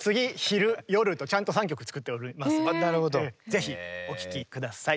ぜひお聴き下さい。